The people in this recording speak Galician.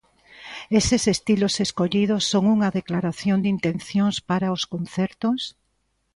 Eses estilos escollidos son unha declaración de intencións para os concertos?